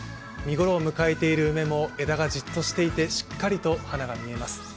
見ごろを迎えている梅も枝はじっとしていて、しっかりと花が見えます。